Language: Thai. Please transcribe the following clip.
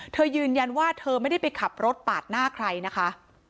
ยืนยันว่าเธอไม่ได้ไปขับรถปาดหน้าใครนะคะ